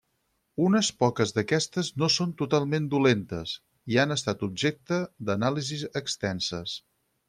Unes poques d'aquestes no són totalment dolentes, i han estat objecte d'anàlisis extenses.